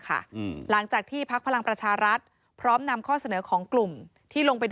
ค้นโสกกลุ่ม๓มิตรออกมาพูดเองเลยค่ะ